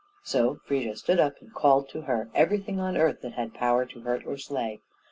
So Frigga stood up, and called to her everything on earth that had power to hurt or slay.